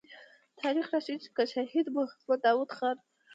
تاريخ راښيي چې که شهيد محمد داود خان.